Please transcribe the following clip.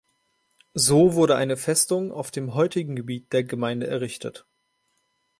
So wurde eine Festung auf dem heutigen Gebiet der Gemeinde errichtet.